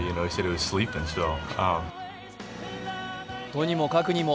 とにもかくにも